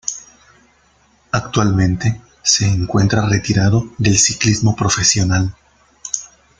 Actualmente se encuentra retirado del ciclismo profesional.